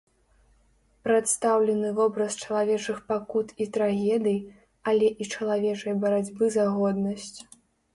Прадстаўлены вобраз чалавечых пакут і трагедый, але і чалавечай барацьбы за годнасць.